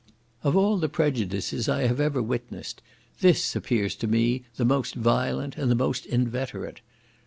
Of all the prejudices I have ever witnessed, this appears to me the most violent, and the most inveterate.